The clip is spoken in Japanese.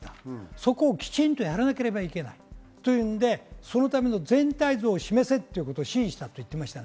そこをきちんとやらなければいけないので、全体像を示せということを指示したと言っていました。